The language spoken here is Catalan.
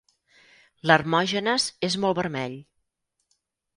L'Hermògenes és molt vermell.